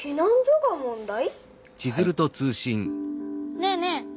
ねえねえ